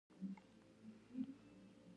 د ژور اضطراب نښې په مينې کې ښکارېدې